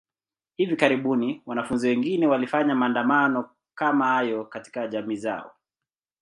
Hivi karibuni, wanafunzi wengine walifanya maandamano kama hayo katika jamii zao.